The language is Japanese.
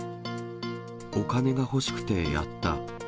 お金が欲しくてやった。